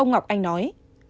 ông ngọc anh nói